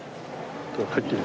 入ってみる？